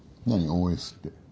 ＯＳって。